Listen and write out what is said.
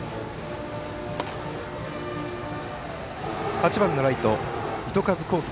８番のライト、糸数幸輝。